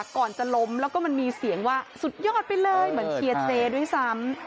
ก่อนจะล้มแล้วก็มันมีเสียงว่าสุดยอดไปเลยเหมือนเชียร์เจด้วยซ้ำ